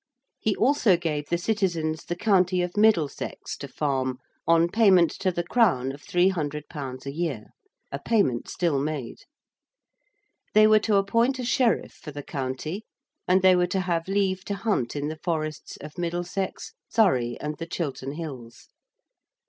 He also gave the citizens the county of Middlesex to farm on payment to the Crown of 300_l._ a year a payment still made: they were to appoint a Sheriff for the county: and they were to have leave to hunt in the forests of Middlesex, Surrey, and the Chiltern Hills.